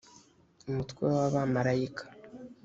umutwe w’abamarayika